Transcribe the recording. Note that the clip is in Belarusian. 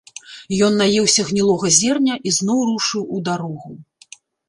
Ён наеўся гнілога зерня і зноў рушыў у дарогу.